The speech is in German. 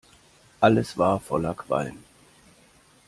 Alles war voller Qualm.